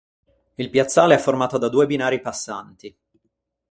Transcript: Il piazzale è formato da due binari passanti.